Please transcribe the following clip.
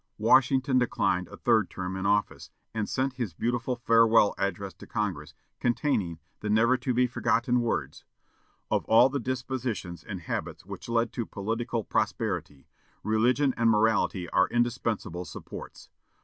Washington declined a third term of office, and sent his beautiful farewell address to Congress, containing the never to be forgotten words: "Of all the dispositions and habits which lead to political prosperity, religion and morality are indispensable supports....